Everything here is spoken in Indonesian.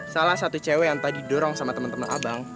salah satu cewek yang tadi dorong sama teman teman abang